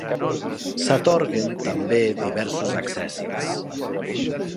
S'atorguen també diversos accèssits.